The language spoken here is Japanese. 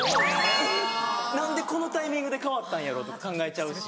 えっ何でこのタイミングで変わったんやろとか考えちゃうし。